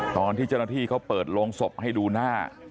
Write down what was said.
ตอนที่เจ้าหน้าที่เขาเปิดโรงศพให้ดูหน้า